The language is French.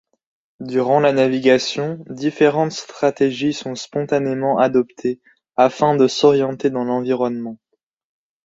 Durant la navigation, différentes stratégies sont spontanément adoptées afin de s’orienter dans l’environnement.